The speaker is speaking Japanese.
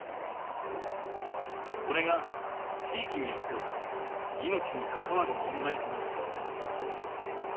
これが地域によっては命にかかわる問題となっている。